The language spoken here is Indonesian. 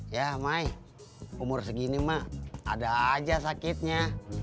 ya mai umur segini mak ada aja sakitnya